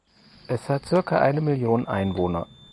Es hat circa eine Million Einwohner.